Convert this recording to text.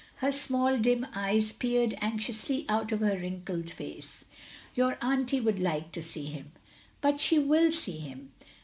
Her small dim eyes peered anxiously out of her wrinkled face. "Your auntie would like to see him." "But she will see him."